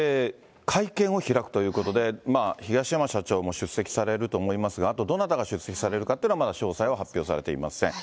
会見を開くということで、東山社長も出席されると思いますが、あとどなたが出席されるかっていうのは、まだ詳細は発表されていません。